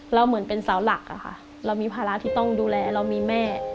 เราเหมือนเป็นสาวหลักเรามีภาระที่ต้องดูแลเรามีแม่